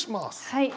はい。